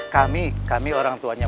kami kami orang tuanya